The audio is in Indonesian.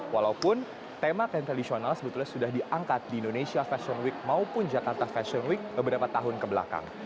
walaupun tema ten tradisional sebetulnya sudah diangkat di indonesia fashion week maupun jakarta fashion week beberapa tahun kebelakang